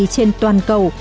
trên toàn cầu